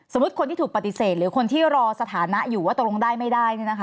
คนที่ถูกปฏิเสธหรือคนที่รอสถานะอยู่ว่าตกลงได้ไม่ได้